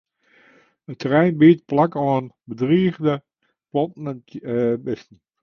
It terrein biedt plak oan bedrige planten en dieren.